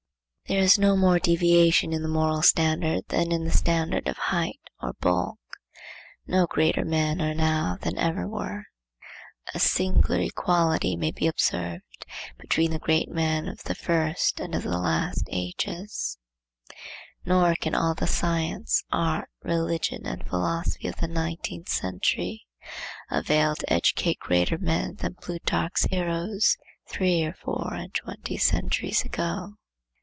There is no more deviation in the moral standard than in the standard of height or bulk. No greater men are now than ever were. A singular equality may be observed between the great men of the first and of the last ages; nor can all the science, art, religion, and philosophy of the nineteenth century avail to educate greater men than Plutarch's heroes, three or four and twenty centuries ago.